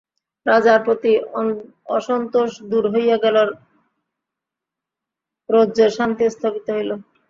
রাজার প্রতি অসন্তোষ দূর হইয়া গেল-রোজ্যে শান্তি স্থাপিত হইল।